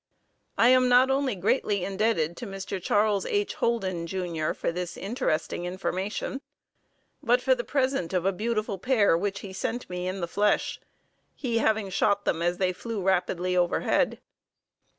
I am not only greatly indebted to Mr. Chas. H. Holden, Jr., for this interesting information, but for the present of a beautiful pair which he sent me in the flesh, he having shot them as they flew rapidly overhead.